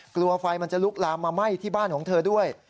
กลัวไฟมันจะลุกลามมาไหม้ที่บ้านของเธอด้วย